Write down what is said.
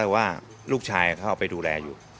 ว่าลูกชายเขาเอาไปดูแลอยู่